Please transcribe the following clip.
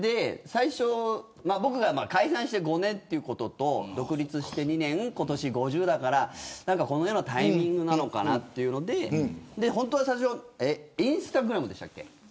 僕が解散して５年ということと独立して２年、今年５０だからこのようなタイミングなのかなということで最初インスタグラムでしたっけ。